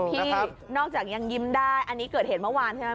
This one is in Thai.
ที่นอกจากยังยิ้มได้อันนี้เกิดเหตุเมื่อวานใช่ไหม